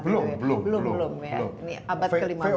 belum belum belum